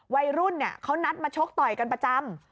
วัยรุ่นเขานัดมาชกต่อยกันประจำ